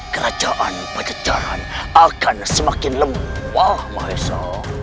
kekerajaan pajajaran akan semakin lemah maesha